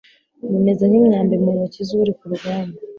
bameze nk’imyambi mu ntoki z’uri ku rugamba